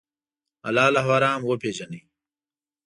حلال او حرام وپېژنئ.